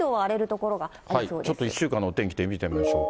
ちょっと１週間のお天気で見てみましょうか。